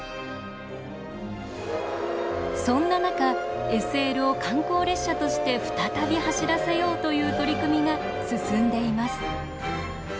そんな中ＳＬを観光列車として再び走らせようという取り組みが進んでいます。